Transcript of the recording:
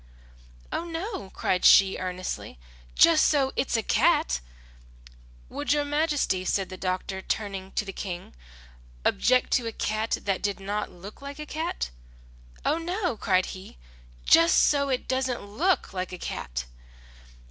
"Oh, no," cried she, earnestly, "just so it's a cat!" "Would your majesty," said the doctor again, turning to the King, "object to a cat that did not look like a cat?" "Oh, no," cried he, "just so it doesn't look like a cat!"